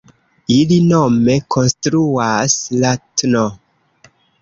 Ili nome konstruas la tn.